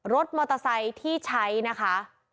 รถมอเตอร์ไซค์ที่ใช้นะคะ